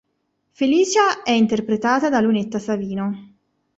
Felicia è interpretata da Lunetta Savino.